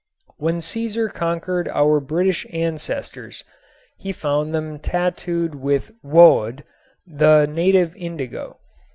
When Caesar conquered our British ancestors he found them tattooed with woad, the native indigo.